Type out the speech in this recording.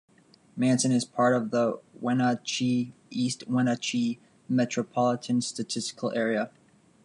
Manson is part of the Wenatchee-East Wenatchee Metropolitan Statistical Area.